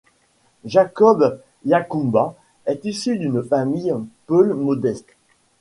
Jacob Yakouba est issu d'une famille peulh modeste.